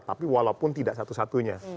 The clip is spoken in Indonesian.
tapi walaupun tidak satu satunya